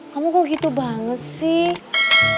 kamu kalau gitu banget sih